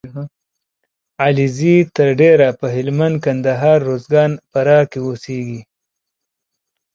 علیزي تر ډېره په هلمند ، کندهار . روزګان او فراه کې اوسېږي